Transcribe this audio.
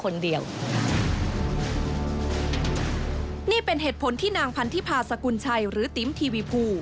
นี่เป็นเหตุผลที่นางพันธิพาสกุลชัยหรือติ๋มทีวีภู